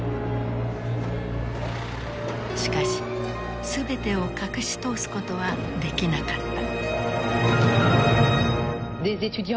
しかし全てを隠し通すことはできなかった。